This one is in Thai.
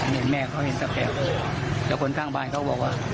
อันนี้แม่เขาตายไปแล้วแล้วคนข้างบนบอกว่า